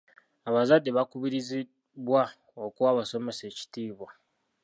Abazadde bakubirizibwa okuwa abasomesa ekitiibwa.